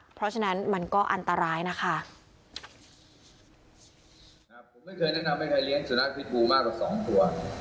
เพราะฉะนั้นมันก็อันตรายนะคะ